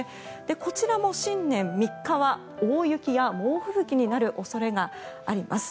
こちらも新年３日は大雪や猛吹雪になる恐れがあります。